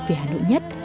về hà nội nhất